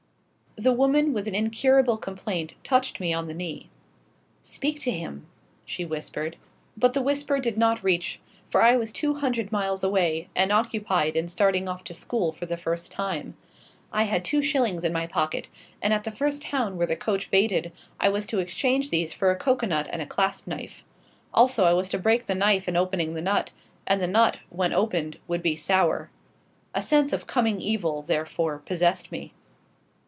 The woman with an incurable complaint touched me on the knee. "Speak to him," she whispered. But the whisper did not reach, for I was two hundred miles away, and occupied in starting off to school for the first time. I had two shillings in my pocket; and at the first town where the coach baited I was to exchange these for a coco nut and a clasp knife. Also, I was to break the knife in opening the nut, and the nut, when opened, would be sour. A sense of coming evil, therefore, possessed me.